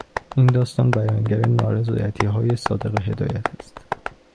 این داستان بیانگر نارضایتیهای صادق هدایت است.